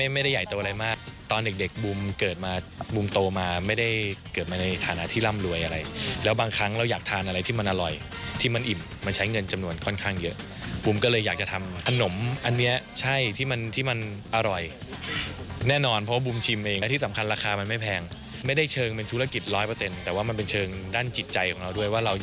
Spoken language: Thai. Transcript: ไม่ได้ใหญ่โตอะไรมากตอนเด็กเด็กบูมเกิดมาบูมโตมาไม่ได้เกิดมาในฐานะที่ร่ำรวยอะไรแล้วบางครั้งเราอยากทานอะไรที่มันอร่อยที่มันอิ่มมันใช้เงินจำนวนค่อนข้างเยอะบุ๋มก็เลยอยากจะทำขนมอันนี้ใช่ที่มันที่มันอร่อยแน่นอนเพราะว่าบูมชิมเองและที่สำคัญราคามันไม่แพงไม่ได้เชิงเป็นธุรกิจร้อยเปอร์เซ็นต์แต่ว่ามันเป็นเชิงด้านจิตใจของเราด้วยว่าเราจะ